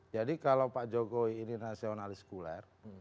jadi kalau pak jokowi ini nasionalis kuler